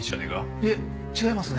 いえ違いますね。